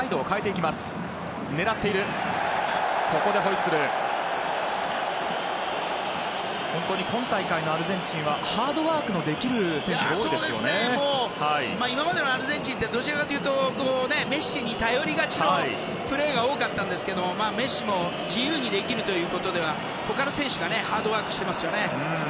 今までのアルゼンチンってどちらかというとメッシに頼りがちのプレーが多かったんですけどメッシも自由にできるということでは他の選手がハードワークしてますよね。